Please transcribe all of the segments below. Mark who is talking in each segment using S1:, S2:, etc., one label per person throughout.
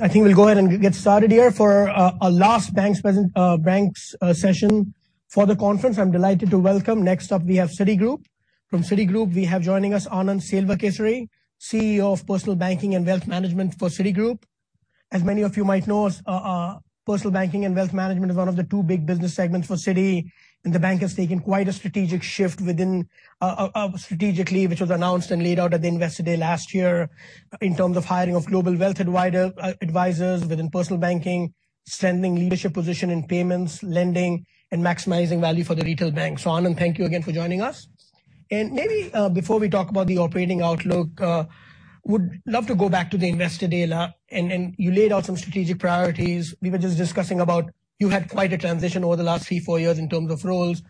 S1: I think we'll go ahead and get started here for our last banks session for the conference. I'm delighted to welcome next up we have Citigroup. From Citigroup, we have joining us Anand Selvakesari, CEO of Personal Banking and Wealth Management for Citigroup. As many of you might know, Personal Banking and Wealth Management is one of the two big business segments for Citi, and the bank has taken quite a strategic shift within strategically, which was announced and laid out at the Investor Day last year in terms of hiring of global wealth advisors within personal banking, strengthening leadership position in payments, lending, and maximizing value for the retail bank. Anand, thank you again for joining us. Maybe, before we talk about the operating outlook, would love to go back to the Investor Day a lot and you laid out some strategic priorities. We were just discussing about you had quite a transition over the last three, four years in terms of roles.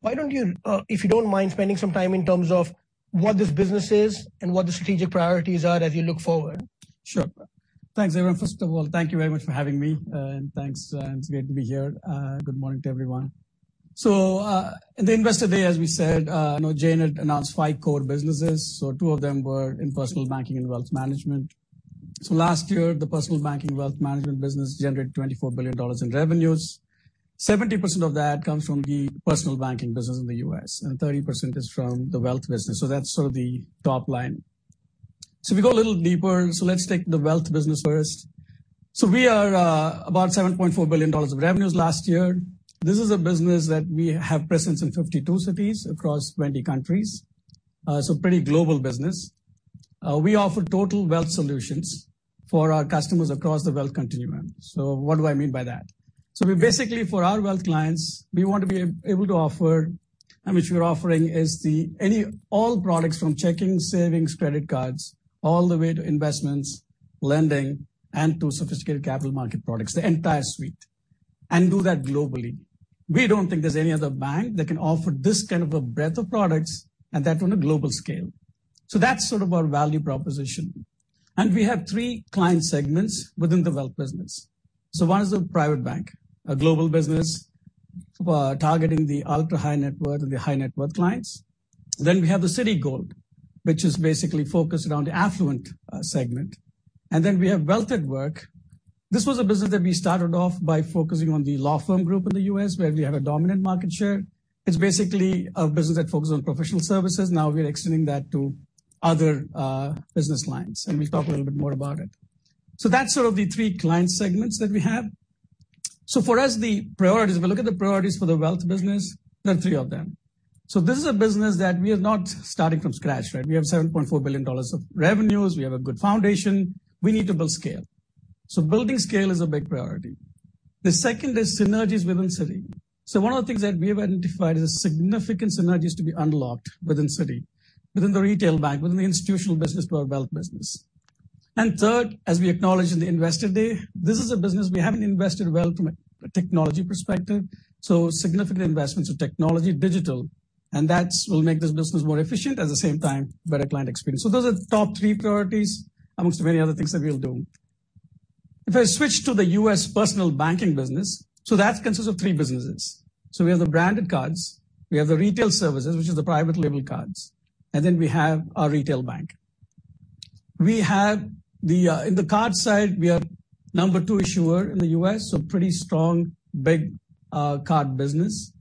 S1: Why don't you, if you don't mind spending some time in terms of what this business is and what the strategic priorities are as you look forward?
S2: Sure. Thanks, everyone. First of all, thank you very much for having me. And thanks, it's great to be here. Good morning to everyone. In the Investor Day, as we said, you know, Jane had announced five core businesses, two of them were in Personal Banking and Wealth Management. Last year, the Personal Banking and Wealth Management business generated $24 billion in revenues. 70% of that comes from the personal banking business in the U.S., and 30% is from the wealth business. That's sort of the top line. If we go a little deeper, let's take the wealth business first. We are about $7.4 billion of revenues last year. This is a business that we have presence in 52 cities across 20 countries. pretty global business. We offer total wealth solutions for our customers across the wealth continuum. What do I mean by that? We basically, for our wealth clients, we want to be able to offer, and which we are offering is all products from checking, savings, credit cards, all the way to investments, lending, and to sophisticated capital market products, the entire suite, and do that globally. We don't think there's any other bank that can offer this kind of a breadth of products and that on a global scale. That's sort of our value proposition. We have three client segments within the wealth business. One is the private bank, a global business, targeting the ultra-high net worth and the high net worth clients. We have the Citigold, which is basically focused around the affluent segment. We have Wealth at Work. This was a business that we started off by focusing on the law firm group in the U.S. where we have a dominant market share. It's basically a business that focuses on professional services. Now we're extending that to other business lines, and we'll talk a little bit more about it. That's sort of the three client segments that we have. For us, the priorities, if we look at the priorities for the wealth business, there are three of them. This is a business that we are not starting from scratch, right? We have $7.4 billion of revenues. We have a good foundation. We need to build scale. Building scale is a big priority. The second is synergies within Citi. One of the things that we have identified is significant synergies to be unlocked within Citi, within the retail bank, within the institutional business to our wealth business. Third, as we acknowledged in the Investor Day, this is a business we haven't invested well from a technology perspective, so significant investments in technology, digital, and that's will make this business more efficient, at the same time, better client experience. Those are the top three priorities amongst many other things that we'll do. If I switch to the U.S. personal banking business, that consists of three businesses. We have the branded cards, we have the Retail Services, which is the private label cards, and then we have our retail bank. We have in the card side, we are number two issuer in the U.S., pretty strong, big card business.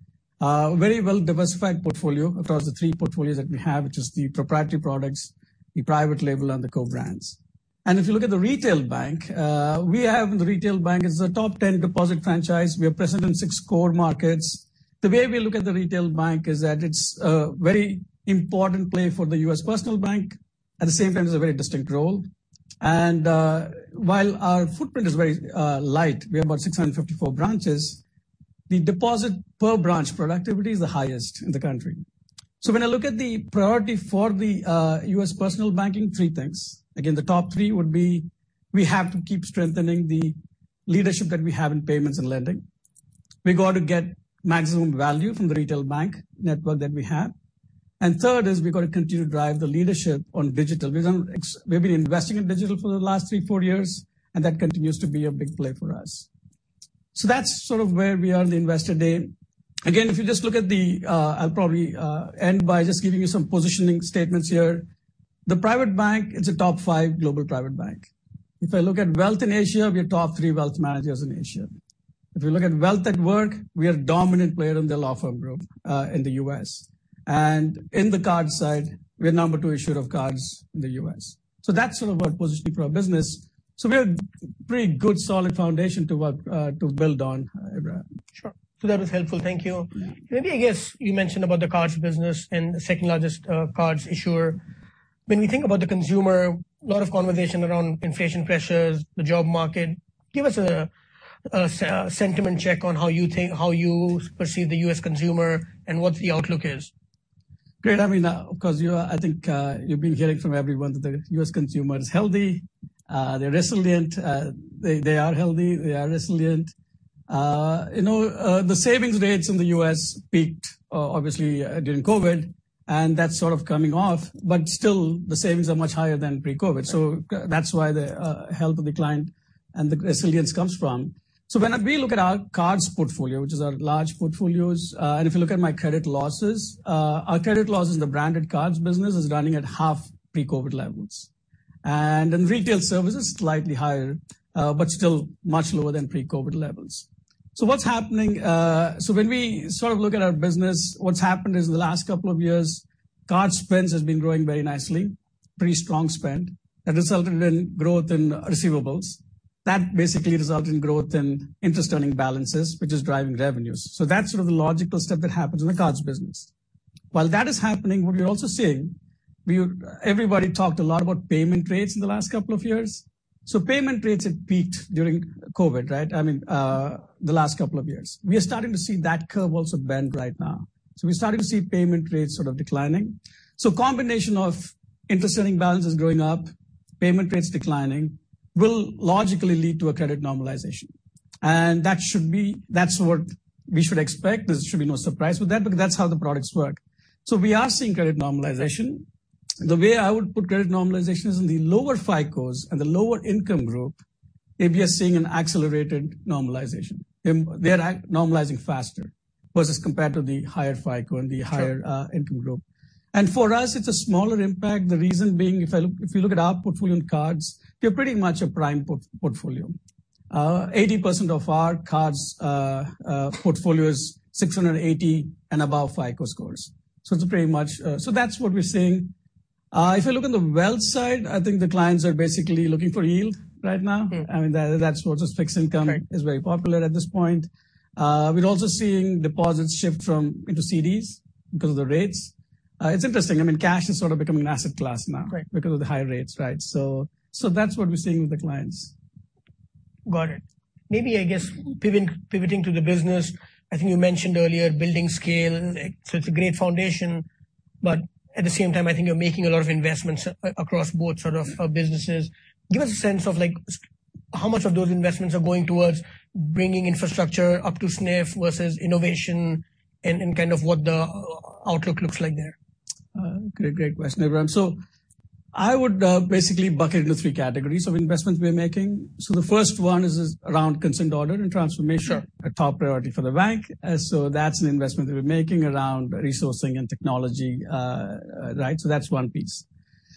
S2: Very well-diversified portfolio across the three portfolios that we have, which is the proprietary products, the private label, and the co-brands. If you look at the retail bank, we have the retail bank is a top 10 deposit franchise. We are present in six core markets. The way we look at the retail bank is that it's a very important play for the U.S. personal bank. At the same time, it's a very distinct role. While our footprint is very light, we have about 654 branches, the deposit per branch productivity is the highest in the country. When I look at the priority for the U.S. personal banking, three things. Again, the top three would be, we have to keep strengthening the leadership that we have in payments and lending. We got to get maximum value from the retail bank network that we have. Third is we got to continue to drive the leadership on digital. We've been investing in digital for the last three, four years, and that continues to be a big play for us. That's sort of where we are in the Investor Day. Again, if you just look at the, I'll probably end by just giving you some positioning statements here. The private bank is a top five global private bank. If I look at wealth in Asia, we're top three wealth managers in Asia. If you look at Wealth at Work, we are dominant player in the law firm group in the U.S. In the card side, we are number two issuer of cards in the U.S. That's sort of our positioning for our business. We have pretty good solid foundation to work, to build on, Ebrahim.
S1: Sure. That was helpful. Thank you. Maybe, I guess, you mentioned about the cards business and the second-largest cards issuer. When we think about the consumer, a lot of conversation around inflation pressures, the job market. Give us a sentiment check on how you think, how you perceive the U.S. consumer and what the outlook is.
S2: Great. I mean, of course, you are, I think, you've been hearing from everyone that the U.S. consumer is healthy. They're resilient. They are healthy. They are resilient. You know, the savings rates in the U.S. peaked, obviously, during COVID, and that's sort of coming off. Still, the savings are much higher than pre-COVID. That's why the health of the client and the resilience comes from. When we look at our cards portfolio, which is our large portfolios, and if you look at my credit losses, our credit losses in the branded cards business is running at half pre-COVID levels. In Retail Services, slightly higher, but still much lower than pre-COVID levels. What's happening? When we sort of look at our business, what's happened is in the last couple of years, card spends has been growing very nicely, pretty strong spend. That resulted in growth in receivables. That basically resulted in growth in interest-earning balances, which is driving revenues. That's sort of the logical step that happens in the cards business. While that is happening, what we're also seeing, everybody talked a lot about payment rates in the last couple of years. Payment rates had peaked during COVID, right? I mean, the last couple of years. We are starting to see that curve also bend right now. We're starting to see payment rates sort of declining. Combination of interest-earning balances going up, payment rates declining, will logically lead to a credit normalization. That should be. That's what we should expect. There should be no surprise with that because that's how the products work. We are seeing credit normalization. The way I would put credit normalization is in the lower FICO scores and the lower income group, if you're seeing an accelerated normalization, they're normalizing faster versus compared to the higher FICO and the higher income group. For us, it's a smaller impact. The reason being, if I look, if you look at our portfolio in cards, we're pretty much a prime portfolio. 80% of our cards portfolio is 680 and above FICO scores. It's pretty much. That's what we're seeing. If you look on the wealth side, I think the clients are basically looking for yield right now.
S1: Mm-hmm.
S2: I mean, that's what's fixed income.
S1: Right.
S2: Is very popular at this point. We're also seeing deposits shift from into CDs because of the rates. It's interesting. I mean, cash is sort of becoming an asset class now.
S1: Right.
S2: Because of the high rates, right? That's what we're seeing with the clients.
S1: Got it. Maybe, I guess, pivoting to the business, I think you mentioned earlier building scale. It's a great foundation. At the same time, I think you're making a lot of investments across both sort of businesses. Give us a sense of like how much of those investments are going towards bringing infrastructure up to snuff versus innovation and kind of what the outlook looks like there.
S2: Great question, Ebrahim. I would basically bucket into three categories of investments we're making. The first one is around concerned order and transformation.
S1: Sure.
S2: A top priority for the bank. That's an investment that we're making around resourcing and technology, right? That's one piece.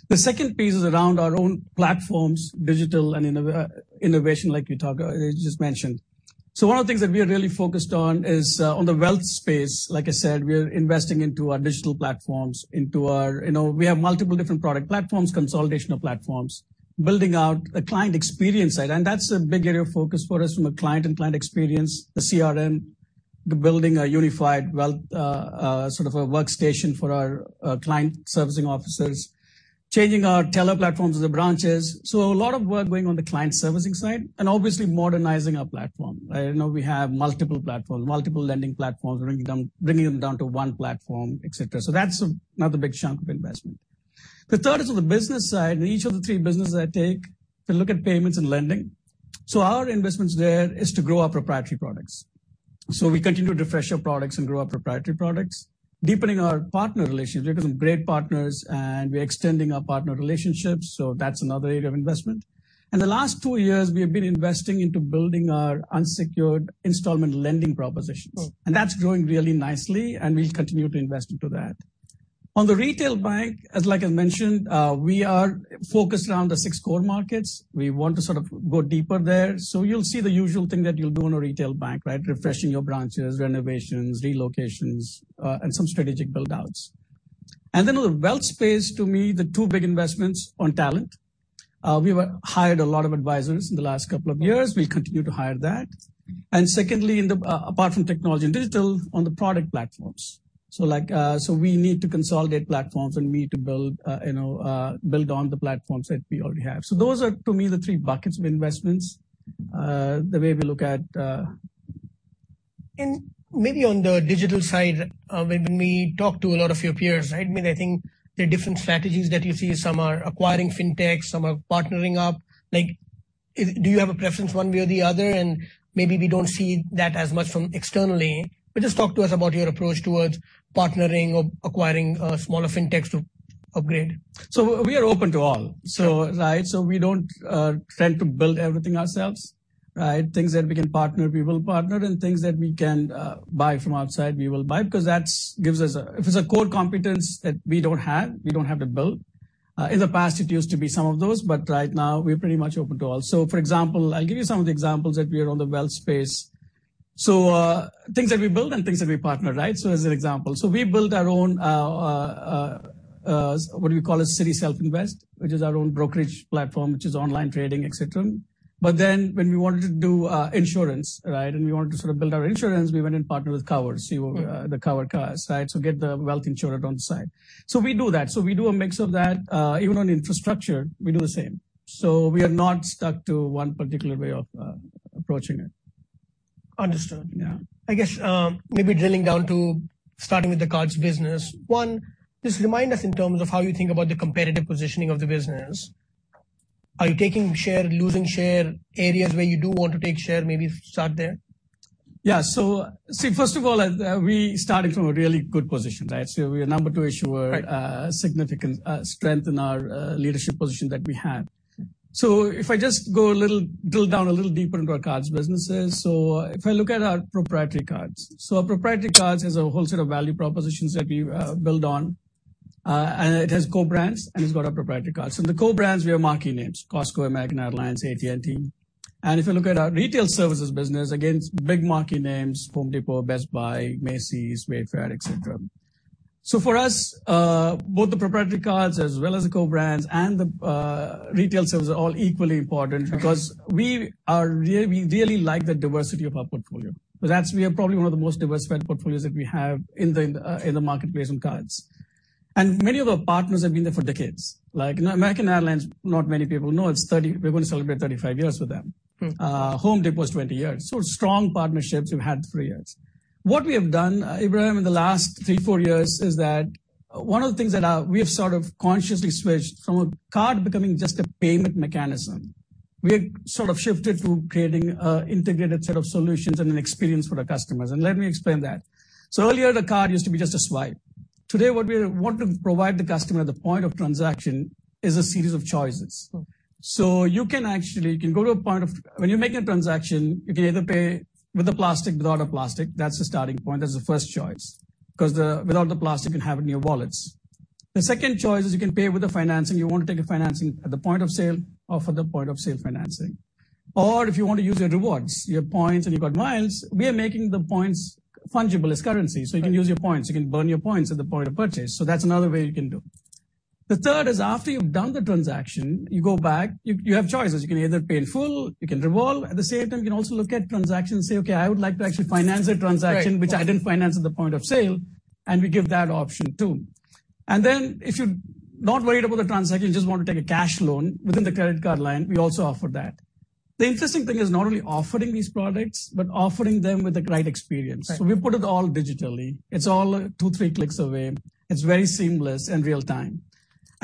S2: The second piece is around our own platforms, digital and innovation like we talked, you just mentioned. One of the things that we are really focused on is on the wealth space, like I said, we are investing into our digital platforms, into our. You know, we have multiple different product platforms, consolidation of platforms. Building out a client experience side, and that's a big area of focus for us from a client and client experience, the CRM, the building a unified wealth sort of a workstation for our client servicing officers. Changing our teller platforms as the branches. A lot of work going on the client servicing side, and obviously modernizing our platform. I know we have multiple platforms, multiple lending platforms, bringing them down to one platform, et cetera. That's another big chunk of investment. The third is on the business side, and each of the three businesses I take to look at payments and lending. Our investments there is to grow our proprietary products. We continue to refresh our products and grow our proprietary products, deepening our partner relationships. We have some great partners, and we're extending our partner relationships, so that's another area of investment. In the last two years, we have been investing into building our unsecured installment lending propositions.
S1: Mm-hmm.
S2: That's growing really nicely, and we'll continue to invest into that. On the retail bank, as like I mentioned, we are focused around the six core markets. We want to sort of go deeper there. You'll see the usual thing that you'll do on a retail bank, right? Refreshing your branches, renovations, relocations, and some strategic build-outs. Then on the wealth space, to me, the two big investments on talent. We were hired a lot of advisors in the last couple of years. We'll continue to hire that. Secondly, in the, apart from technology and digital, on the product platforms. Like, we need to consolidate platforms and we need to build, you know, build on the platforms that we already have. Those are, to me, the three buckets of investments, the way we look at.
S1: Maybe on the digital side, when we talk to a lot of your peers, right? I mean, I think there are different strategies that you see. Some are acquiring FinTech, some are partnering up. Like, do you have a preference one way or the other? Maybe we don't see that as much from externally. Just talk to us about your approach towards partnering or acquiring, smaller FinTechs to upgrade.
S2: We are open to all. Right? We don't tend to build everything ourselves, right? Things that we can partner, we will partner, and things that we can buy from outside, we will buy because that's gives us a... If it's a core competence that we don't have, we don't have to build. In the past, it used to be some of those, but right now, we're pretty much open to all. For example, I'll give you some of the examples that we are on the wealth space. Things that we build and things that we partner, right? As an example, so we build our own, what we call a Citi Self Invest, which is our own brokerage platform, which is online trading, et cetera. When we wanted to do insurance, right, and we wanted to sort of build our insurance, we went and partnered with TD Cowen, you, the TD Cowen side, so get the wealth insured on the side. We do that. We do a mix of that. Even on infrastructure, we do the same. We are not stuck to one particular way of approaching it.
S1: Understood.
S2: Yeah.
S1: I guess, maybe drilling down to starting with the cards business. One, just remind us in terms of how you think about the competitive positioning of the business. Are you taking share, losing share? Areas where you do want to take share, maybe start there.
S2: Yeah. see, first of all, we started from a really good position, right? We're number two issuer.
S1: Right.
S2: Significant strength in our leadership position that we have. If I just drill down a little deeper into our cards businesses. If I look at our proprietary cards. Our proprietary cards has a whole set of value propositions that we build on, and it has co-brands, and it's got our proprietary cards. The co-brands, we have marquee names, Costco, American Airlines, AT&T. If you look at our Retail Services business, again, it's big marquee names, The Home Depot, Best Buy, Macy's, Wayfair, et cetera. For us, both the proprietary cards as well as the co-brands and the Retail Services are all equally important because we really like the diversity of our portfolio. We are probably one of the most diversified portfolios that we have in the marketplace on cards. Many of our partners have been there for decades. Like American Airlines, not many people know we're going to celebrate 35 years with them.
S1: Mm-hmm.
S2: Home Depot is 20 years. Strong partnerships we've had for years. What we have done, Ebrahim, in the last three, four years is that one of the things that, we have sort of consciously switched from a card becoming just a payment mechanism, we have sort of shifted to creating an integrated set of solutions and an experience for our customers, and let me explain that. Earlier, the card used to be just a swipe. Today, what we want to provide the customer at the point of transaction is a series of choices.
S1: Mm-hmm.
S2: You can actually go to a point of. When you're making a transaction, you can either pay with the plastic, without a plastic. That's the starting point. That's the first choice. Without the plastic you have in your wallets. The second choice is you can pay with the financing. You want to take a financing at the point of sale, offer the point of sale financing. Or if you want to use your rewards, your points and you've got miles, we are making the points fungible as currency. You can use your points, you can burn your points at the point of purchase. That's another way you can do. The third is after you've done the transaction, you go back, you have choices. You can either pay in full, you can revolve. At the same time, you can also look at transactions and say, "Okay, I would like to actually finance a transaction which I didn't finance at the point of sale." We give that option too. If you're not worried about the transaction, you just want to take a cash loan within the credit card line, we also offer that. The interesting thing is not only offering these products, but offering them with the right experience.
S1: Right.
S2: We put it all digitally. It's all two, three clicks away. It's very seamless and real time.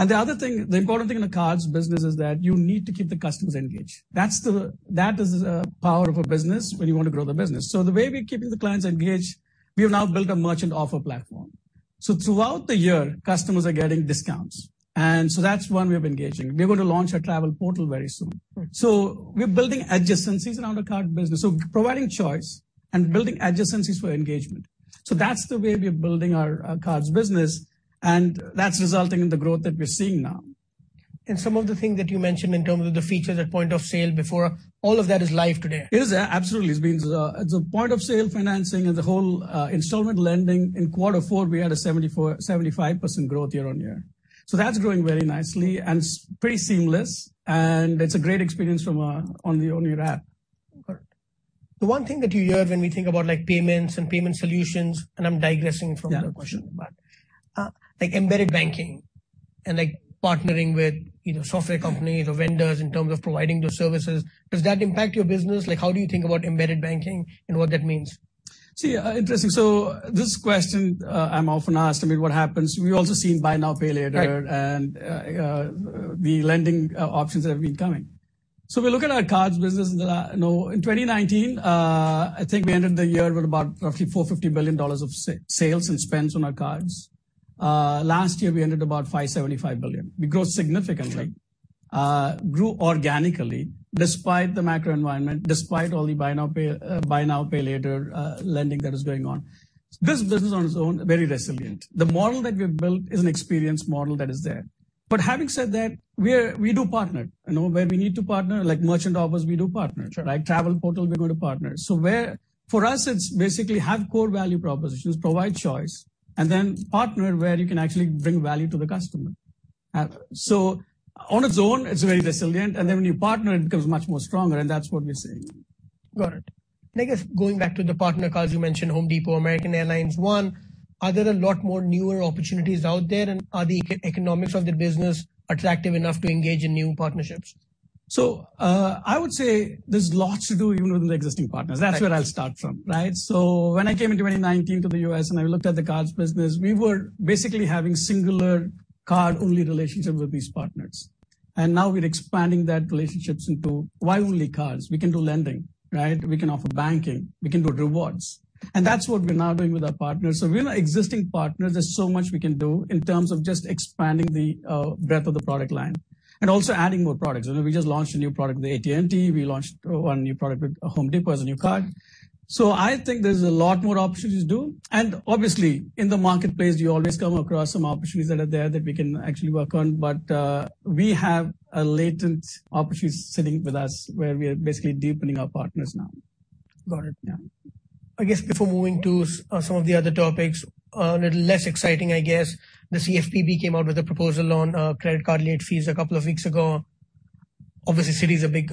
S2: The other thing, the important thing in the cards business is that you need to keep the customers engaged. That is the power of a business when you want to grow the business. The way we're keeping the clients engaged, we have now built a merchant offer platform. Throughout the year, customers are getting discounts. That's one way of engaging. We're going to launch a travel portal very soon.
S1: Right.
S2: We're building adjacencies around our card business. Providing choice and building adjacencies for engagement. That's the way we're building our cards business, and that's resulting in the growth that we're seeing now.
S1: Some of the things that you mentioned in terms of the features at point of sale before, all of that is live today?
S2: It is, absolutely. It's been, it's a point of sale financing and the whole, installment lending. In quarter four, we had a 74%-75% growth year-over-year. That's growing very nicely, and it's pretty seamless, and it's a great experience on your app.
S1: Got it. The one thing that you hear when we think about like payments and payment solutions, and I'm digressing from the question but, like embedded banking and like partnering with, you know, software companies or vendors in terms of providing those services, does that impact your business? Like, how do you think about embedded banking and what that means?
S2: Interesting. This question, I'm often asked, I mean, what happens? We've also seen buy now, pay later.
S1: Right.
S2: The lending options that have been coming. We look at our cards business that, you know, in 2019, I think we ended the year with about roughly $450 billion of sales and spends on our cards. Last year, we ended about $575 billion. We grew significantly.
S1: Right.
S2: Grew organically despite the macro environment, despite all the buy now, pay later lending that is going on. This business on its own, very resilient. The model that we've built is an experience model that is there. Having said that, we do partner. You know, where we need to partner, like merchant offers, we do partner.
S1: Sure.
S2: Like travel portal, we're going to partner. For us, it's basically have core value propositions, provide choice, and then partner where you can actually bring value to the customer. On its own, it's very resilient, and then when you partner, it becomes much more stronger. That's what we're seeing.
S1: Got it. I guess going back to the partner cards, you mentioned Home Depot, American Airlines, One. Are there a lot more newer opportunities out there? Are the economics of the business attractive enough to engage in new partnerships?
S2: I would say there's lots to do even with the existing partners. That's where I'll start from, right? When I came in 2019 to the U.S. and I looked at the cards business, we were basically having singular card-only relationship with these partners. Now we're expanding that relationships into why only cards? We can do lending, right? We can offer banking. We can do rewards. That's what we're now doing with our partners. With our existing partners, there's so much we can do in terms of just expanding the breadth of the product line and also adding more products. You know, we just launched a new product with AT&T. We launched one new product with The Home Depot as a new card. I think there's a lot more opportunities to do. Obviously, in the marketplace, you always come across some opportunities that are there that we can actually work on. We have a latent opportunities sitting with us where we are basically deepening our partners now.
S1: Got it. Yeah. I guess before moving to some of the other topics, a little less exciting, I guess. The CFPB came out with a proposal on credit card late fees a couple of weeks ago. Obviously, Citi is a big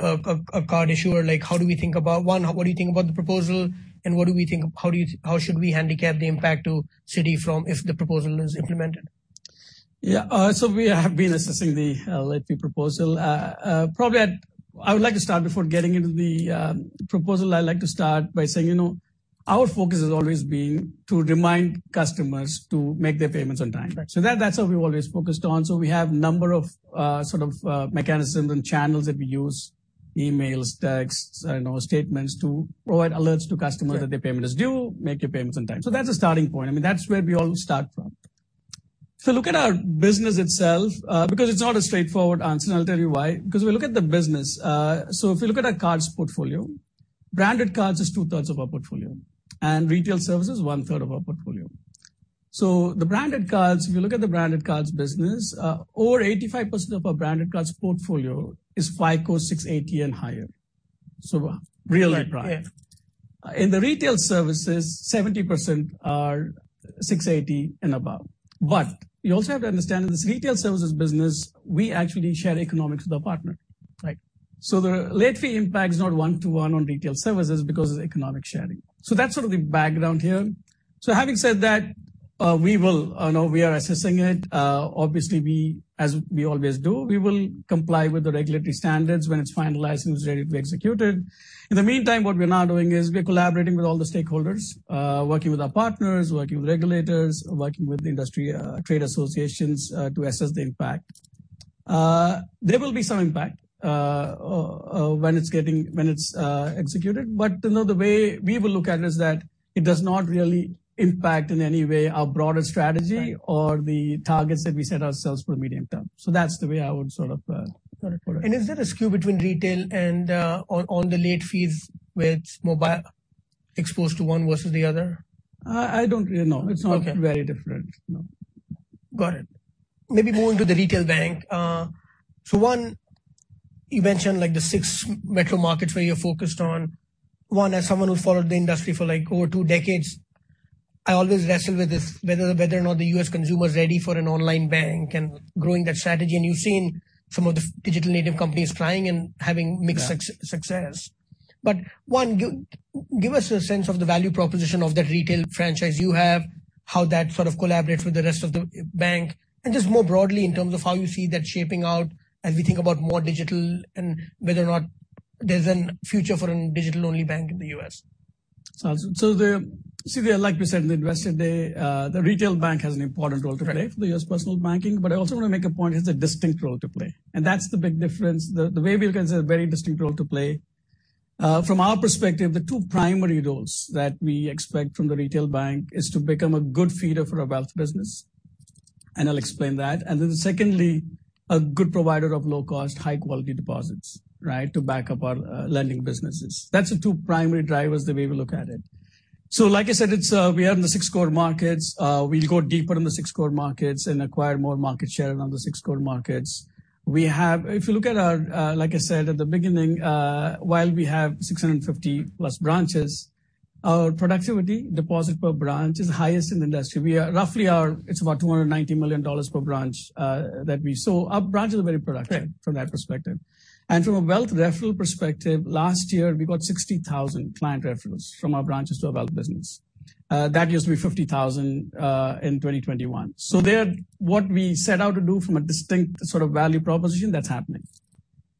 S1: card issuer. Like, how do we think about One, what do you think about the proposal? How should we handicap the impact to Citi from if the proposal is implemented?
S2: Yeah. We have been assessing the late fee proposal. Probably I would like to start before getting into the proposal, I'd like to start by saying, you know, our focus has always been to remind customers to make their payments on time.
S1: Right.
S2: That's what we've always focused on. We have number of, sort of, mechanisms and channels that we use, emails, texts, you know, statements to provide alerts to customers that their payment is due, make your payments on time. That's a starting point. I mean, that's where we all start from. Look at our business itself, because it's not a straightforward answer, and I'll tell you why. We look at the business, if you look at our cards portfolio, branded cards is 2/3 of our portfolio, and Retail Services is 1/3 of our portfolio. The branded cards, if you look at the branded cards business, over 85% of our branded cards portfolio is FICO 680 and higher. Really prime.
S1: Right. Yeah.
S2: In the Retail Services, 70% are 680 and above. You also have to understand in this Retail Services business, we actually share economics with our partner, right? The late fee impact is not one-to-one on Retail Services because of the economic sharing. That's sort of the background here. Having said that, we will. You know, we are assessing it. Obviously, we, as we always do, we will comply with the regulatory standards when it's finalized and it's ready to be executed. In the meantime, what we're now doing is we're collaborating with all the stakeholders, working with our partners, working with regulators, working with the industry, trade associations, to assess the impact. There will be some impact when it's executed. You know, the way we will look at it is that it does not really impact in any way our broader strategy.
S1: Right.
S2: or the targets that we set ourselves for the medium term. That's the way I would sort of put it.
S1: Is there a skew between retail and on the late fees with mobile exposed to one versus the other?
S2: I don't really know.
S1: Okay.
S2: It's not very different. No.
S1: Got it. Maybe moving to the retail bank. One, you mentioned, like, the six metro markets where you're focused on. One, as someone who followed the industry for, like, over two decades, I always wrestle with this, whether or not the U.S. consumer is ready for an online bank and growing that strategy. You've seen some of the digital native companies trying and having mixed success.
S2: Yeah.
S1: One, give us a sense of the value proposition of that retail franchise you have, how that sort of collaborates with the rest of the bank, and just more broadly in terms of how you see that shaping out as we think about more digital and whether or not there's an future for a digital-only bank in the U.S.
S2: Like we said in the Investor Day, the retail bank has an important role to play for the U.S. personal banking. I also wanna make a point it's a distinct role to play, and that's the big difference. The way we look at it's a very distinct role to play. From our perspective, the two primary roles that we expect from the retail bank is to become a good feeder for our wealth business, and I'll explain that. Secondly, a good provider of low-cost, high-quality deposits, right? To back up our lending businesses. That's the two primary drivers the way we look at it. Like I said, it's, we have the six core markets. We'll go deeper in the six core markets and acquire more market share around the six core markets. We have. If you look at our...Like I said at the beginning, while we have 650+ branches, our productivity deposits per branch is highest in the industry. It's about $290 million per branch. Our branches are very productive from that perspective. From a wealth referral perspective, last year we got 60,000 client referrals from our branches to our wealth business. That gives me 50,000 in 2021. There, what we set out to do from a distinct sort of value proposition, that's happening.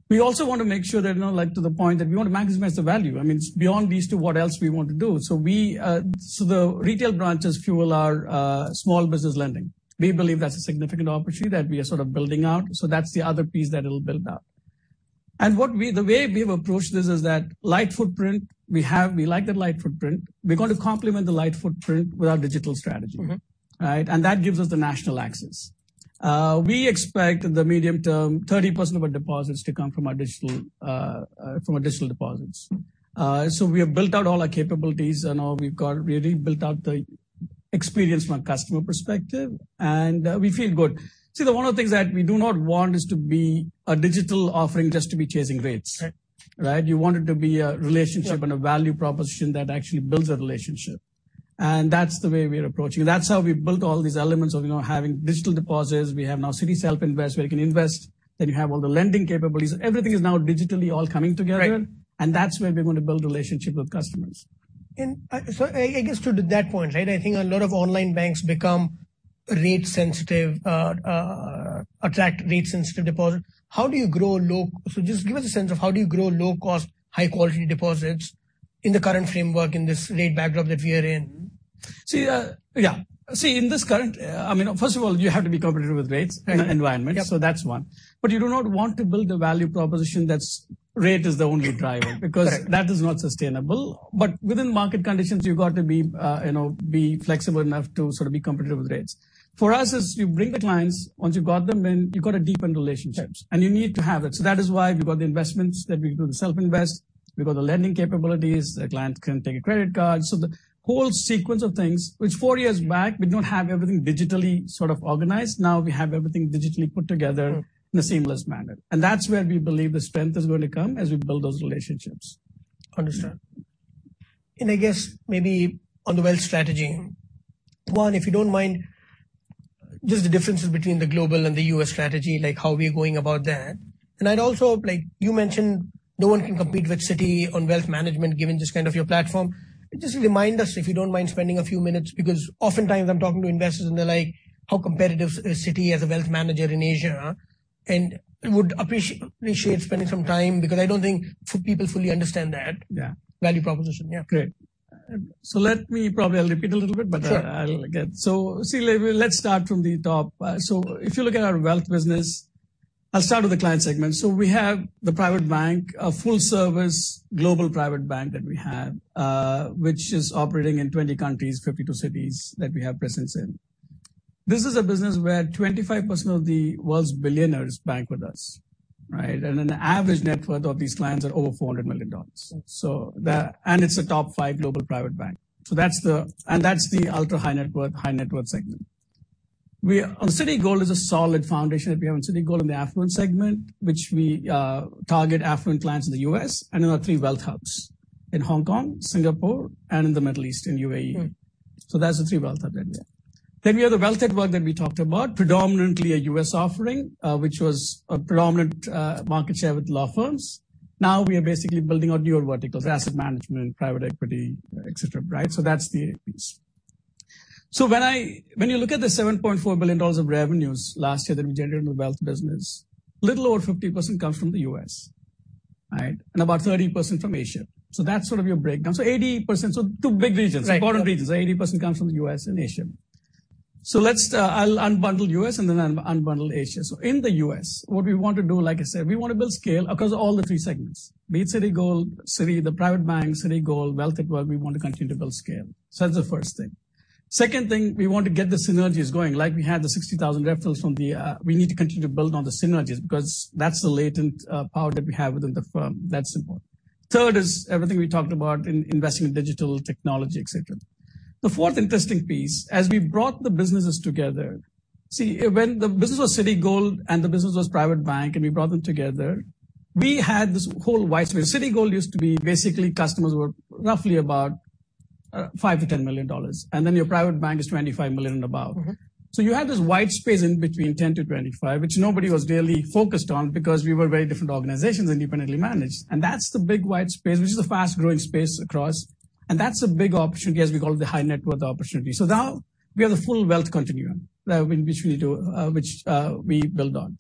S2: We also want to make sure that, you know, like to the point that we want to maximize the value. I mean, beyond these two, what else we want to do? We, so the retail branches fuel our small business lending. We believe that's a significant opportunity that we are sort of building out. That's the other piece that it'll build out. The way we've approached this is that light footprint we have, we like that light footprint. We're going to complement the light footprint with our digital strategy.
S1: Mm-hmm.
S2: Right? That gives us the national access. We expect in the medium term 30% of our deposits to come from our digital deposits.
S1: Mm-hmm.
S2: We have built out all our capabilities and all. We've got really built out the experience from a customer perspective, and we feel good. See, one of the things that we do not want is to be a digital offering just to be chasing rates.
S1: Right.
S2: Right? You want it to be a relationship and a value proposition that actually builds a relationship. That's the way we are approaching. That's how we built all these elements of, you know, having digital deposits. We have now Citi Self Invest, where you can invest. You have all the lending capabilities. Everything is now digitally all coming together.
S1: Right.
S2: That's where we're gonna build relationship with customers.
S1: I guess to that point, right? I think a lot of online banks become rate sensitive, attract rate sensitive deposit. How do you just give us a sense of how do you grow low-cost, high-quality deposits in the current framework, in this rate backdrop that we are in?
S2: See, yeah. See, in this current. I mean, first of all, you have to be competitive with rates.
S1: Right.
S2: in the environment.
S1: Yeah.
S2: That's one. You do not want to build a value proposition that's rate is the only driver.
S1: Right.
S2: Because that is not sustainable. Within market conditions, you've got to be, you know, be flexible enough to sort of be competitive with rates. For us, as you bring the clients, once you've got them in, you've got to deepen relationships.
S1: Right.
S2: You need to have it. That is why we've got the investments that we do the Self Invest. We've got the lending capabilities. The clients can take a credit card. The whole sequence of things, which four years back we don't have everything digitally sort of organized, now we have everything digitally put together in a seamless manner. That's where we believe the strength is going to come as we build those relationships.
S1: Understand. I guess maybe on the wealth strategy?
S2: Mm-hmm.
S1: One, if you don't mind, just the differences between the global and the U.S. strategy, like how we're going about that. I'd also, like you mentioned, no one can compete with Citi on wealth management given this kind of your platform. Just remind us, if you don't mind spending a few minutes, because oftentimes I'm talking to investors and they're like, "How competitive is Citi as a wealth manager in Asia?" I would appreciate spending some time because I don't think people fully understand that-
S2: Yeah.
S1: value proposition. Yeah.
S2: Great. Probably I'll repeat a little bit.
S1: Sure.
S2: See, like, let's start from the top. If you look at our wealth business, I'll start with the client segment. We have the private bank, a full service global private bank that we have, which is operating in 20 countries, 52 cities that we have presence in. This is a business where 25% of the world's billionaires bank with us, right? The average net worth of these clients are over $400 million. It's a top five global private bank. That's the ultra-high net worth, high net worth segment. Citigold is a solid foundation that we have in Citigold in the affluent segment, which we target affluent clients in the U.S. and in our three wealth hubs, in Hong Kong, Singapore and in the Middle East, in UAE.
S1: Mm-hmm.
S2: That's the three wealth hub that we have. We have the Wealth at Work that we talked about, predominantly a U.S. offering, which was a predominant market share with law firms. Now we are basically building out newer verticals, asset management, private equity, et cetera, right? That's the piece. When you look at the $7.4 billion of revenues last year that we generated in the wealth business, little over 50% comes from the U.S., right? About 30% from Asia. That's sort of your breakdown. 80%... Two big regions-
S1: Right.
S2: Important regions. 80% comes from the U.S. and Asia. Let's unbundle U.S. and then I'll unbundle Asia. In the U.S., what we want to do, like I said, we wanna build scale across all the three segments. Be it Citigold, Citi, the private bank, Citigold, Wealth at Work, well, we want to continue to build scale. That's the first thing. Second thing, we want to get the synergies going like we had the 60,000 referrals from the. We need to continue to build on the synergies because that's the latent power that we have within the firm. That's important. Third is everything we talked about in investing in digital technology, et cetera. The fourth interesting piece, as we brought the businesses together, see when the business was Citigold and the business was private bank. We brought them together, we had this whole wide space. Citigold used to be basically customers were roughly about $5 million-$10 million. Then your private bank is $25 million and above.
S1: Mm-hmm.
S2: You had this wide space in between 10-25, which nobody was really focused on because we were very different organizations independently managed. That's the big wide space, which is a fast-growing space across, and that's a big opportunity as we call it the high net worth opportunity. Now we have the full wealth continuum, which we build on.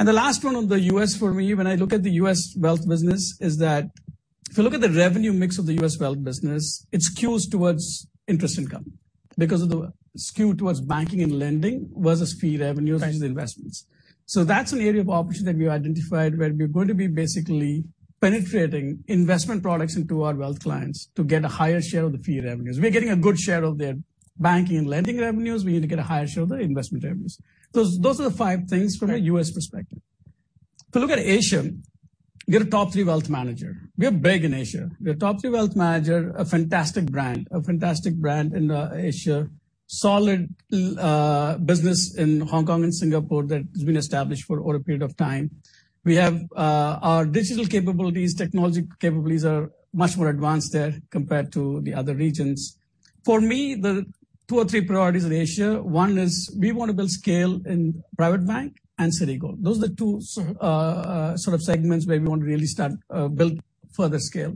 S2: The last one on the U.S. for me, when I look at the U.S. wealth business, is that if you look at the revenue mix of the U.S. wealth business, it skews towards interest income because of the skew towards banking and lending versus fee revenues, versus investments. That's an area of opportunity that we identified, where we're going to be basically penetrating investment products into our wealth clients to get a higher share of the fee revenues. We're getting a good share of their banking and lending revenues. We need to get a higher share of their investment revenues. Those are the five things from a U.S. perspective. If you look at Asia, we're a top tier wealth manager. We are big in Asia. We're a top tier wealth manager, a fantastic brand in Asia. Solid business in Hong Kong and Singapore that has been established for over a period of time. We have our digital capabilities, technology capabilities are much more advanced there compared to the other regions. For me, the two or three priorities in Asia, one is we wanna build scale in private bank and Citigold. Those are the two.
S1: Mm-hmm.
S2: sort of segments where we want to really start, build further scale.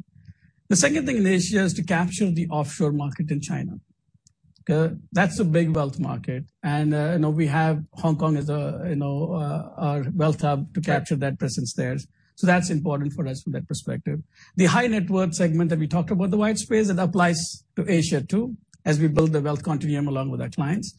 S2: The second thing in Asia is to capture the offshore market in China. Okay? That's a big wealth market. you know, we have Hong Kong as a, you know, our wealth hub.
S1: Sure.
S2: To capture that presence there. That's important for us from that perspective. The high net worth segment that we talked about, the wide space, that applies to Asia too, as we build the wealth continuum along with our clients.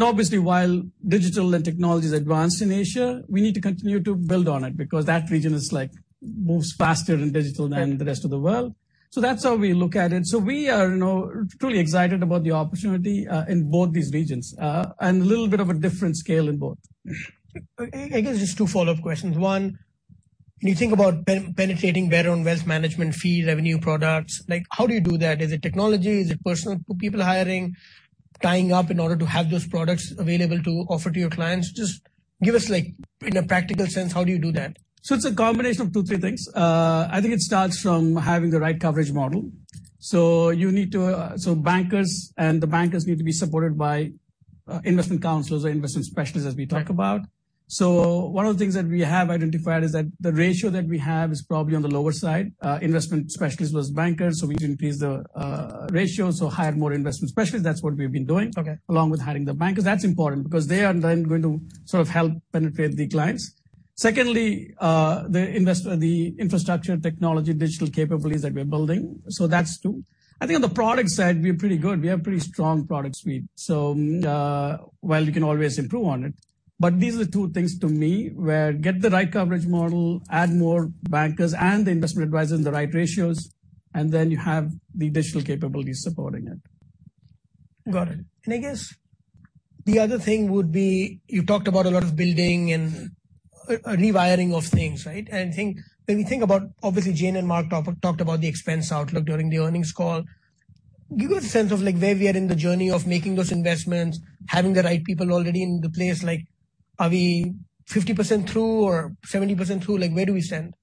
S2: Obviously while digital and technology is advanced in Asia, we need to continue to build on it because that region is like moves faster in digital than the rest of the world. That's how we look at it. We are, you know, truly excited about the opportunity in both these regions and a little bit of a different scale in both.
S1: I guess just two follow-up questions. One, when you think about penetrating better on wealth management fee, revenue products, like how do you do that? Is it technology? Is it personal people hiring, tying up in order to have those products available to offer to your clients? Just give us like in a practical sense, how do you do that?
S2: It's a combination of two, three things. I think it starts from having the right coverage model. Bankers and the bankers need to be supported by investment counselors or investment specialists as we talk about. One of the things that we have identified is that the ratio that we have is probably on the lower side, investment specialists versus bankers, so we need to increase the ratio, so hire more investment specialists. That's what we've been doing.
S1: Okay.
S2: Along with hiring the bankers. That's important because they are then going to sort of help penetrate the clients. Secondly, the infrastructure, technology, digital capabilities that we're building. That's two. I think on the product side, we're pretty good. We have pretty strong product suite. While you can always improve on it, but these are the two things to me, where get the right coverage model, add more bankers and the investment advisors in the right ratios, and then you have the digital capabilities supporting it.
S1: Got it. I guess the other thing would be, you talked about a lot of building and rewiring of things, right? When we think about, obviously Jane and Mark talked about the expense outlook during the earnings call. Give us a sense of like where we are in the journey of making those investments, having the right people already in the place. Like are we 50% through or 70% through? Like where do we stand?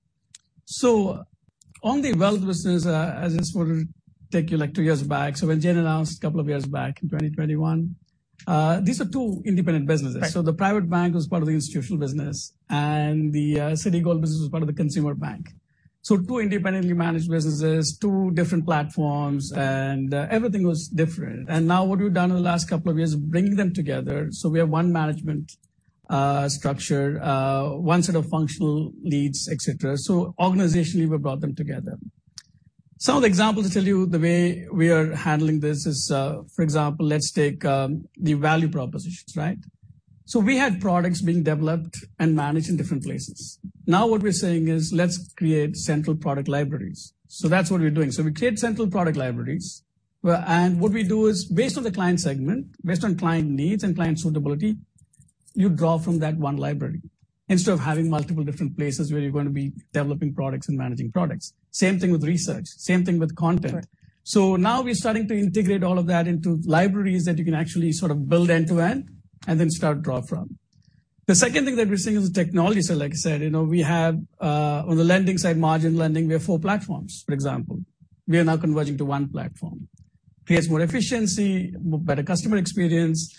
S2: On the wealth business, as it's more take you like two years back, so when Jane announced a couple of years back in 2021, these are two independent businesses.
S1: Right.
S2: The private bank was part of the institutional business and the Citigold business was part of the consumer bank. Two independently managed businesses, two different platforms, and everything was different. Now what we've done over the last couple of years is bringing them together. We have one management structure, one set of functional leads, et cetera. Organizationally, we brought them together. Some of the examples to tell you the way we are handling this is, for example, let's take the value propositions, right. We had products being developed and managed in different places. Now what we're saying is let's create central product libraries. That's what we're doing. We create central product libraries, and what we do is based on the client segment, based on client needs and client suitability, you draw from that one library instead of having multiple different places where you're gonna be developing products and managing products. Same thing with research, same thing with content.
S1: Right.
S2: Now we're starting to integrate all of that into libraries that you can actually sort of build end to end and then start draw from. The second thing that we're seeing is the technology. Like I said, you know, we have on the lending side, margin lending, we have four platforms, for example. We are now converging to one platform. Creates more efficiency, better customer experience.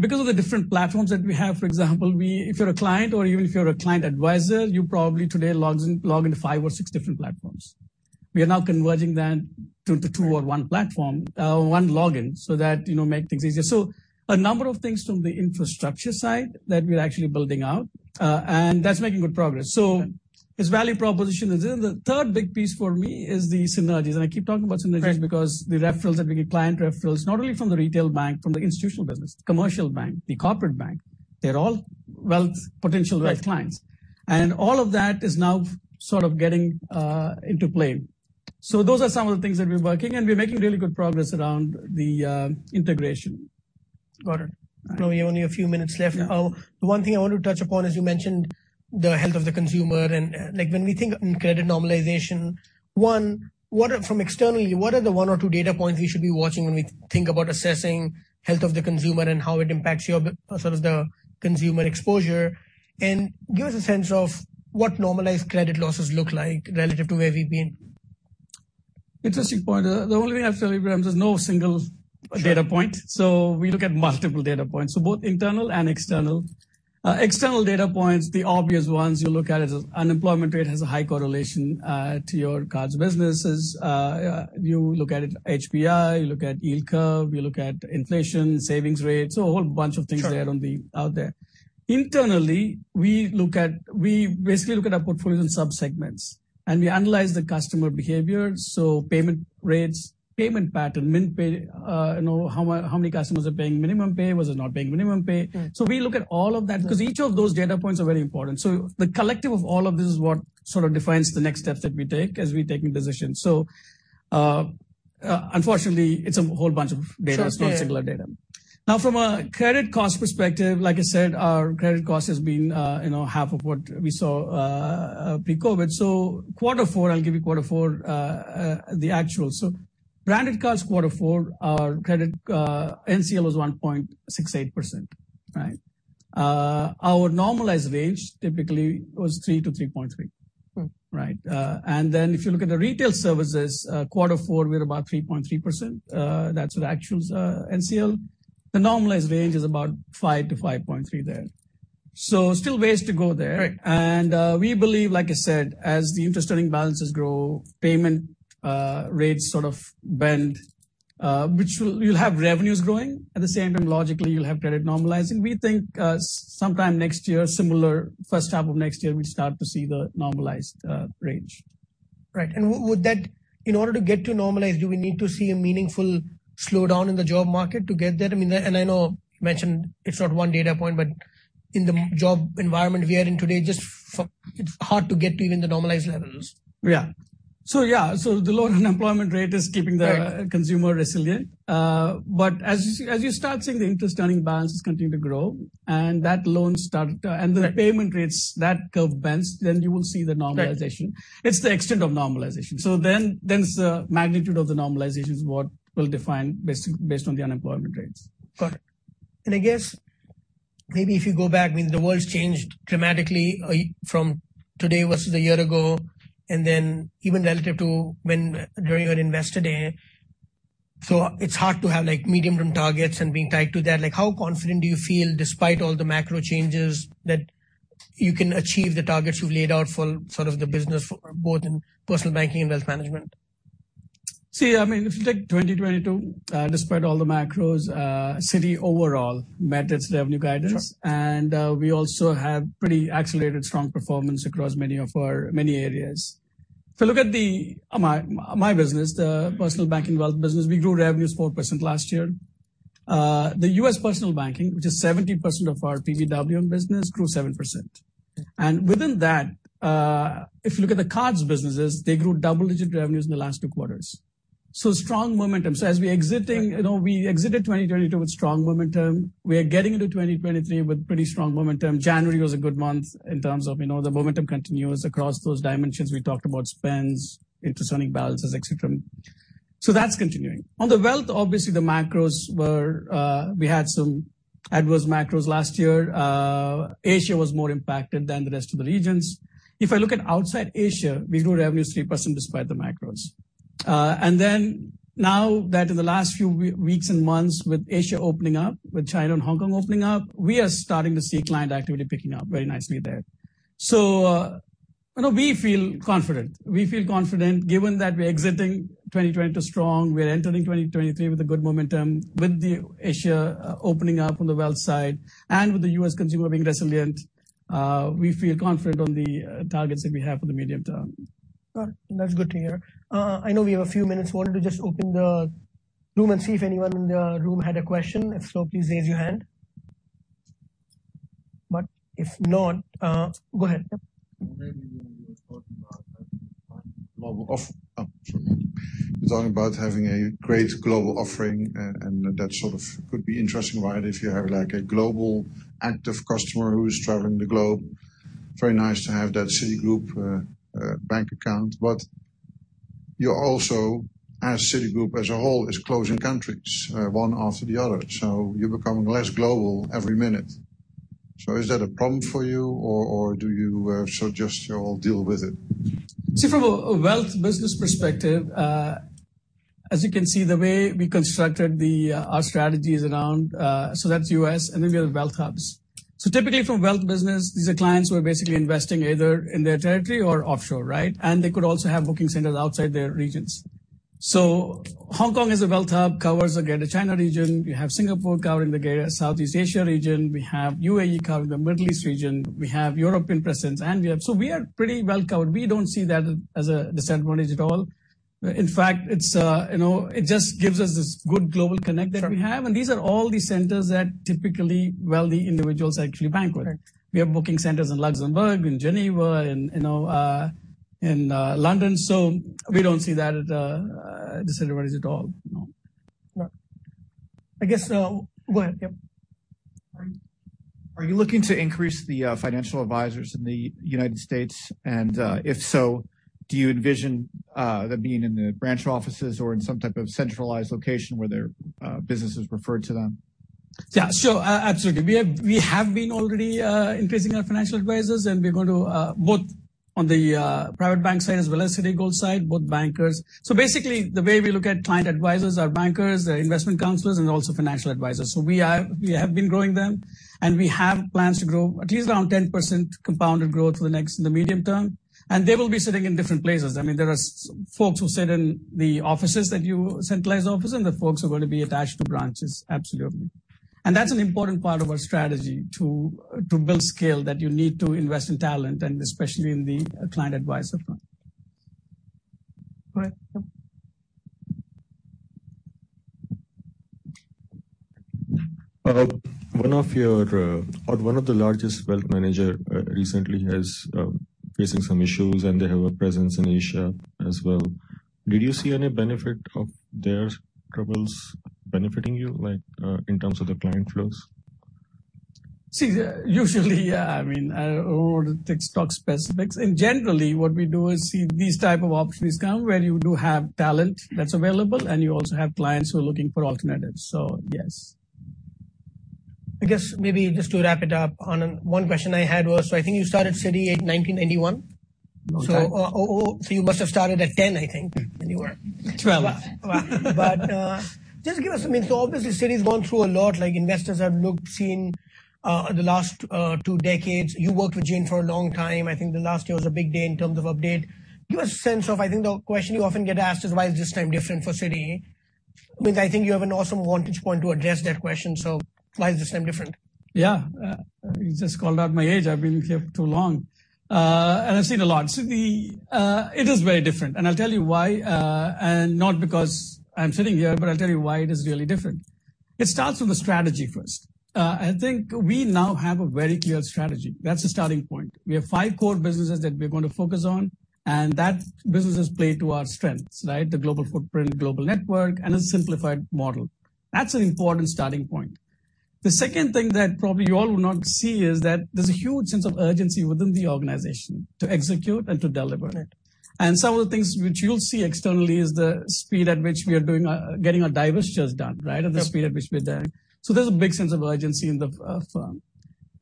S2: Because of the different platforms that we have, for example, if you're a client or even if you're a client advisor, you probably today logs in, log into five or six different platforms. We are now converging that to two or one platform, one login, so that, you know, make things easier. A number of things from the infrastructure side that we're actually building out, and that's making good progress.
S1: Right.
S2: It's value proposition. The third big piece for me is the synergies. I keep talking about synergies-
S1: Right.
S2: The referrals that we get, client referrals, not only from the retail bank, from the institutional business, commercial bank, the corporate bank, they're all wealth, potential wealth clients.
S1: Right.
S2: All of that is now sort of getting into play. Those are some of the things that we're working, and we're making really good progress around the integration.
S1: Got it.
S2: All right.
S1: We only a few minutes left.
S2: Yeah.
S1: The one thing I want to touch upon is you mentioned the health of the consumer and, like, when we think in credit normalization, one, from externally, what are the one or two data points we should be watching when we think about assessing health of the consumer and how it impacts your sort of the consumer exposure? Give us a sense of what normalized credit losses look like relative to where we've been.
S2: Interesting point. The only way I can tell you, Ebrahim, there's no single data point.
S1: Sure.
S2: We look at multiple data points. Both internal and external. External data points, the obvious ones you look at is unemployment rate has a high correlation to your cards businesses. You look at HPI, you look at yield curve, you look at inflation, savings rates. A whole bunch of things there.
S1: Sure.
S2: -on the, out there. Internally, we basically look at our portfolios and subsegments, and we analyze the customer behavior, so payment rates, payment pattern, minimum payment, you know, how many customers are paying minimum pay, was it not paying minimum pay.
S1: Right.
S2: We look at all of that because each of those data points are very important. The collective of all of this is what sort of defines the next steps that we take as we're taking decisions. Unfortunately, it's a whole bunch of data.
S1: Sure. Yeah.
S2: It's not a singular data. From a credit cost perspective, like I said, our credit cost has been, you know, half of what we saw pre-COVID. Quarter four, I'll give you quarter four, the actual. Branded cards quarter four, our credit NCL was 1.68%, right? Our normalized range typically was 3%-3.3%.
S1: Mm.
S2: Right? If you look at the Retail Services, Q4, we're about 3.3%. That's the actuals, NCL. The normalized range is about 5%-5.3% there. Still ways to go there.
S1: Right.
S2: We believe, like I said, as the interest-earning balances grow, payment rates sort of bend, you'll have revenues growing. At the same time, logically, you'll have credit normalizing. We think, sometime next year, similar first half of next year, we start to see the normalized range.
S1: Right. In order to get to normalized, do we need to see a meaningful slowdown in the job market to get there? I mean, and I know you mentioned it's not one data point, but in the job environment we are in today, just it's hard to get to even the normalized levels.
S2: Yeah. Yeah. The low unemployment rate is keeping.
S1: Right.
S2: consumer resilient. As you start seeing the interest-earning balances continue to grow and that loans start
S1: Right.
S2: The payment rates, that curve bends, then you will see the normalization.
S1: Right.
S2: It's the extent of normalization. It's the magnitude of the normalization is what will define based on the unemployment rates.
S1: Got it. I guess maybe if you go back, I mean, the world's changed dramatically from today versus a year ago, and then even relative to when during your Investor Day. It's hard to have, like, medium-term targets and being tied to that. Like, how confident do you feel despite all the macro changes that you can achieve the targets you've laid out for sort of the business for both in Personal Banking and Wealth Management?
S2: I mean, if you take 2022, despite all the macros, Citi overall met its revenue guidance.
S1: Sure.
S2: We also have pretty accelerated strong performance across many of our many areas. If you look at my business, the personal banking wealth business, we grew revenues 4% last year. The U.S. personal banking, which is 70% of our PBW business, grew 7%. Within that, if you look at the cards businesses, they grew double-digit revenues in the last 2 quarters. Strong momentum. You know, we exited 2022 with strong momentum. We are getting into 2023 with pretty strong momentum. January was a good month in terms of, you know, the momentum continues across those dimensions we talked about spends, interest-earning balances, et cetera. That's continuing. On the wealth, obviously the macros were, we had some adverse macros last year. Asia was more impacted than the rest of the regions. If I look at outside Asia, we grew revenues 3% despite the macros. And then now that in the last few weeks and months with Asia opening up, with China and Hong Kong opening up, we are starting to see client activity picking up very nicely there. You know, we feel confident. We feel confident given that we're exiting 2022 strong. We're entering 2023 with a good momentum. With the Asia opening up on the wealth side and with the U.S. consumer being resilient, we feel confident on the targets that we have for the medium term.
S1: Got it. That's good to hear. I know we have a few minutes. Wanted to just open the room and see if anyone in the room had a question. If so, please raise your hand. If not, go ahead. Yep.
S3: Maybe when you were talking about having one global. Oh, sorry. You were talking about having a great global offering and that sort of could be interesting, right? If you have like a global active customer who is traveling the globe, very nice to have that Citigroup bank account. You also as Citigroup as a whole is closing countries one after the other, so you're becoming less global every minute. Is that a problem for you or do you sort of just sort of deal with it?
S2: See from a wealth business perspective, as you can see, the way we constructed the our strategies around. That's U.S., and then we have wealth hubs. Typically from wealth business, these are clients who are basically investing either in their territory or offshore, right? They could also have booking centers outside their regions. Hong Kong is a wealth hub, covers again the China region. We have Singapore covering the Southeast Asia region. We have UAE covering the Middle East region. We have European presence, and we have. We are pretty well covered. We don't see that as a disadvantage at all. In fact, it's, you know, it just gives us this good global connect that we have.
S3: Sure.
S2: These are all the centers that typically wealthy individuals actually bank with.
S3: Correct.
S2: We have booking centers in Luxembourg, in Geneva, in, you know, in London. We don't see that as a disadvantage at all. No.
S3: Right.
S2: I guess, go ahead. Yep.
S4: Are you looking to increase the financial advisors in the United States? If so, do you envision them being in the branch offices or in some type of centralized location where their business is referred to them?
S2: Absolutely. We have been already increasing our financial advisors and we're going to both on the private bank side as well as Citigold side, both bankers. Basically, the way we look at client advisors are bankers, investment counselors, and also financial advisors. We have been growing them, and we have plans to grow at least around 10% compounded growth for the next in the medium term. They will be sitting in different places. I mean, there are folks who sit in the offices that you centralized office, and the folks who are gonna be attached to branches. Absolutely. That's an important part of our strategy to build scale that you need to invest in talent, and especially in the client advisor front.
S4: Correct. Yep.
S5: One of your, or one of the largest wealth manager, recently has facing some issues, and they have a presence in Asia as well. Did you see any benefit of their troubles benefiting you, like, in terms of the client flows?
S2: See, usually, yeah. I mean, I don't want to talk specifics. Generally, what we do is see these type of opportunities come where you do have talent that's available, and you also have clients who are looking for alternatives. Yes.
S1: I guess maybe just to wrap it up on one question I had was, I think you started Citi in 1991. You must have started at 10, I think, when you were.
S2: Twelve.
S1: Wow. Just give us some insight. Obviously, Citi's gone through a lot, like investors have looked, seen, the last, two decades. You worked with Jane for a long time. I think the last year was a big day in terms of update. Give us a sense of, I think the question you often get asked is why is this time different for Citi? Which I think you have an awesome vantage point to address that question. Why is this time different?
S2: Yeah. You just called out my age. I've been here for too long. I've seen a lot. Citi, it is very different and I'll tell you why, and not because I'm sitting here, but I'll tell you why it is really different. It starts with the strategy first. I think we now have a very clear strategy. That's the starting point. We have five core businesses that we're going to focus on, and that businesses play to our strengths, right? The global footprint, global network, and a simplified model. That's an important starting point. The second thing that probably you all will not see is that there's a huge sense of urgency within the organization to execute and to deliver.
S1: Right.
S2: Some of the things which you'll see externally is the speed at which we are getting our divestitures done, right?
S1: Yep.
S2: At the speed at which we're doing. There's a big sense of urgency in the firm.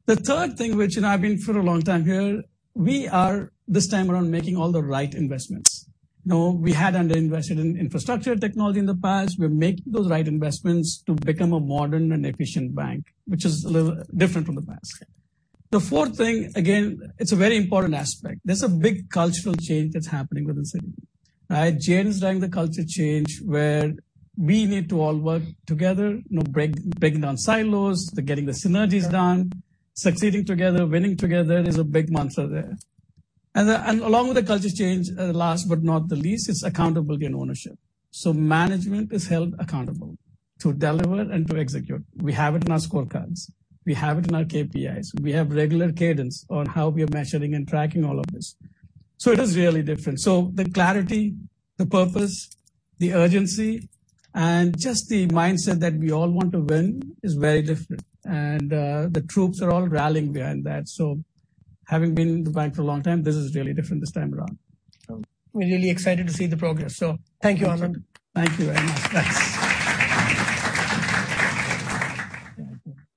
S2: The third thing, which, I've been for a long time here, we are this time around making all the right investments. You know, we had under invested in infrastructure technology in the past. We're making those right investments to become a modern and efficient bank, which is a little different from the past.
S1: Yeah.
S2: The fourth thing, again, it's a very important aspect. There's a big cultural change that's happening within Citi, right? Jane is driving the culture change where we need to all work together, you know, breaking down silos, the getting the synergies done, succeeding together, winning together is a big mantra there. Along with the culture change, last but not the least, is accountability and ownership. Management is held accountable to deliver and to execute. We have it in our scorecards, we have it in our KPIs, we have regular cadence on how we are measuring and tracking all of this. It is really different. The clarity, the purpose, the urgency, and just the mindset that we all want to win is very different. The troops are all rallying behind that. Having been in the bank for a long time, this is really different this time around.
S1: Sure. We're really excited to see the progress. Thank you, Anand.
S2: Thank you very much. Thanks.